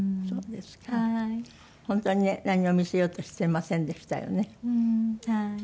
本当にね何も見せようとしてませんでしたよね。